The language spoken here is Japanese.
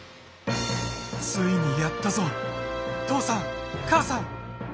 ついにやったぞ父さん母さん。